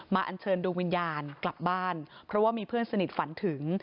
อันเชิญดวงวิญญาณกลับบ้านเพราะว่ามีเพื่อนสนิทฝันถึง